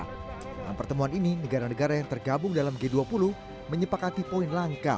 dalam pertemuan ini negara negara yang tergabung dalam g dua puluh menyepakati poin langka